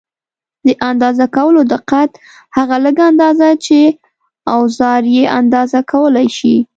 د اندازه کولو دقت: هغه لږه اندازه چې اوزار یې اندازه کولای شي.